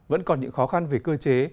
vẫn còn những khó khăn về cơ chế